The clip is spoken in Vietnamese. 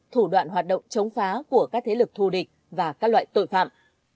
thủ đoạn hoạt động chống phá của các thế lực thù địch và các loại tội phạm